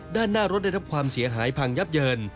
ด้านหน้ารถได้รับความเสียหายพังยับเยิน